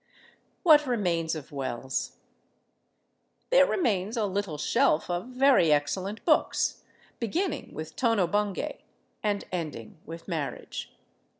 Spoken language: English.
What remains of Wells? There remains a little shelf of very excellent books, beginning with "Tono Bungay" and ending with "Marriage."